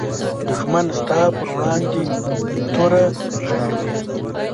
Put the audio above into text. دښمن ستا پر وړاندې توره خښوي